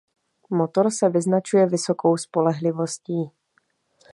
Motor se vyznačuje vysokou spolehlivostí.